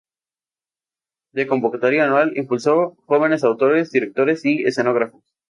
De convocatoria anual, impulsó jóvenes autores, directores y escenógrafos.